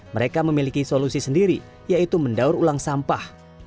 mereka memiliki solusi sendiri yaitu mendaur ulang sampah